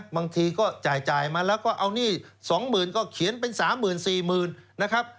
บางทีก็จ่ายมาแล้วก็เอาหนี้๒๐๐๐ก็เขียนเป็น๓๔๐๐๐นะครับ